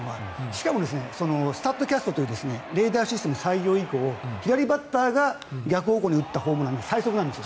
しかも、スタッドキャストというレーダーシステム採用以降左バッターが逆方向に打った球で最速なんです。